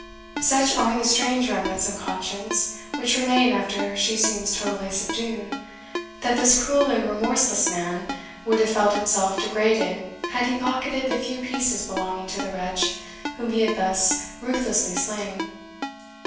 Such are the strange remnants of conscience which remain after she seems totally subdued, that this cruel and remorseless man would have felt himself degraded had he pocketed the few pieces belonging to the wretch whom he had thus ruthlessly slain.